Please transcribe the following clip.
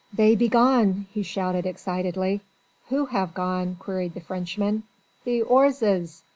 "They be gone," he shouted excitedly. "Who have gone?" queried the Frenchman. "The 'orzes!"